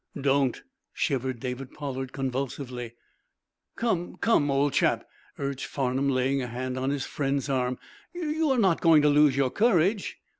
"Don't!" shivered David Pollard, convulsively. "Come, come, old chap," urged Farnum, laying a hand on his friend's arm, "you are not going to lose your courage?"